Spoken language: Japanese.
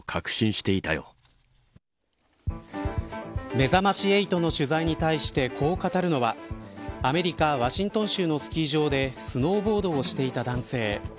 めざまし８の取材に対してこう語るのは、アメリカワシントン州のスキー場でスノーボードをしていた男性。